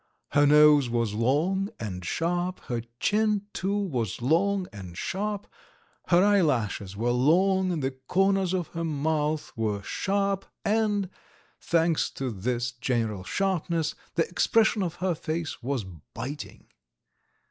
Her nose was long and sharp, her chin, too, was long and sharp, her eyelashes were long, the corners of her mouth were sharp, and, thanks to this general sharpness, the expression of her face was biting.